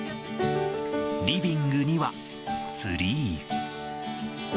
リビングにはツリー。